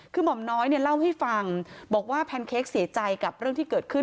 คือหม่อมน้อยเนี่ยเล่าให้ฟังบอกว่าแพนเค้กเสียใจกับเรื่องที่เกิดขึ้น